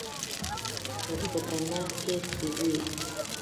Sokotanake Tsiwi.